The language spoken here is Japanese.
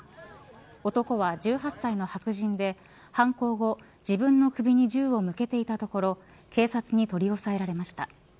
男は１８歳の白人で犯行後自分の首に銃を向けていたところ警察に取り押さえられました。